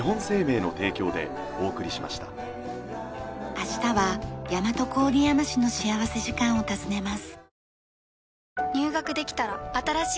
明日は大和郡山市の幸福時間を訪ねます。